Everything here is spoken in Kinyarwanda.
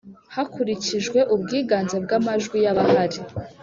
hakurikijwe ubwiganze bw amajwi y abahari